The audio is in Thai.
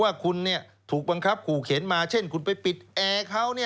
ว่าคุณถูกบังคับขู่เข็นมาเช่นคุณไปปิดแอร์เขา